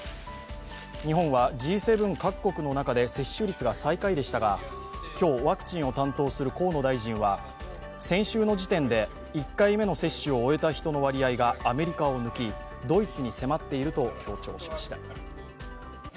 日本はＧ７各国の中で接種率が最下位でしたが今日、ワクチンを担当する河野大臣は先週の時点で、１回目の接種を終えた人の割合がアメリカに抜きドイツに迫っていると強調しました。